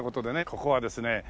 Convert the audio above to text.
ここはですね